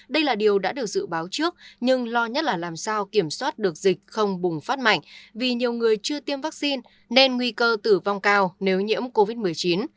đây là điều đã được dự báo trước nhưng lo nhất là làm sao kiểm soát được dịch không bùng phát mạnh vì nhiều người chưa tiêm vaccine nên nguy cơ tử vong cao nếu nhiễm covid một mươi chín